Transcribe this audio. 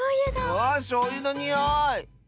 わあしょうゆのにおい！